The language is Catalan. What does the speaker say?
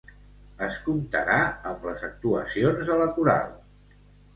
Es comptarà amb les actuacions de la Coral.